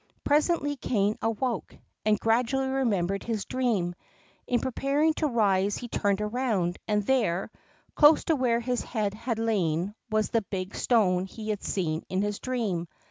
Presently Kané awoke, and gradually remembered his dream. In preparing to rise he turned round, and there, close to where his head had lain, was the big stone he had seen in his dream.